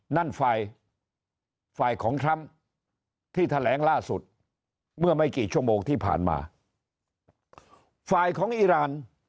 นั่นฝ่ายฝ่ายของทรัมป์ที่แถลงล่าสุดเมื่อไม่กี่ชั่วโมงที่ผ่านมาฝ่ายของอีราน